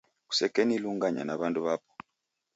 Kusekenilunganya na w'andu w'apo